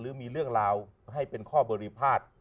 หรือมีเรื่องราวให้เป็นข้อบริพาท